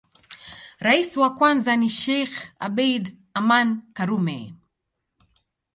Rais wa kwanza ni Sheikh Abeid Aman Karume